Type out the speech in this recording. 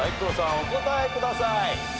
お答えください。